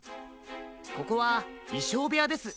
ここはいしょうべやです。